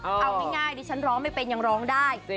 เอาง่ายดิฉันร้องไม่เป็นยังร้องได้